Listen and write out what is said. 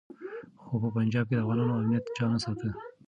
خو په پنجاب کي د افغانانو امنیت چا نه ساته.